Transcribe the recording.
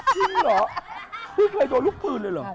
จริงเหรอพี่เคยโดนลูกปืนเลยเหรอ